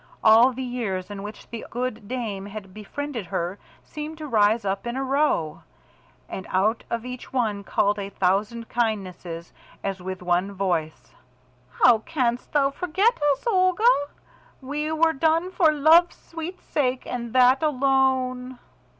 All the years in which the good dame had befriended her seemed to rise up in a row, and out of each one called a thousand kindnesses as with one voice: "How canst thou forget us, Olga? We were done for love's sweet sake, and that alone!"